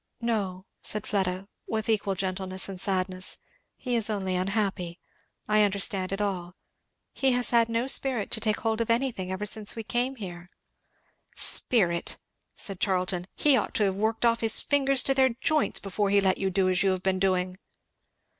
"No," said Fleda with equal gentleness and sadness "he is only unhappy; I understand it all he has had no spirit to take hold of anything ever since we came here." "Spirit!" said Charlton; "he ought to have worked off his fingers to their joints before he let you do as you have been doing!"